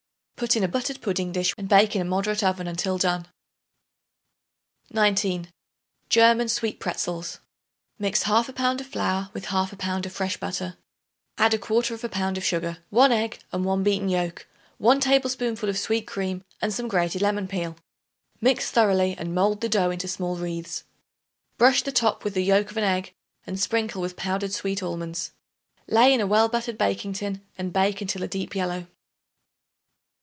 Put in a buttered pudding dish and bake in a moderate oven until done. 19. German Sweet Pretzels. Mix 1/2 pound of flour with 1/2 pound of fresh butter; add 1/4 pound of sugar, 1 egg and 1 beaten yolk, 1 tablespoonful of sweet cream and some grated lemon peel. Mix thoroughly and mold the dough into small wreaths; brush the top with the yolk of an egg and sprinkle with powdered sweet almonds. Lay in a well buttered baking tin and bake until a deep yellow.